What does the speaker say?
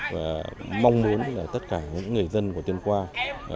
và mong muốn là tất cả những người dân của tuyên quang